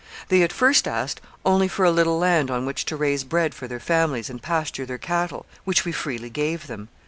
They at first asked only for a little land on which to raise bread for their families and pasture their cattle, which we freely gave them.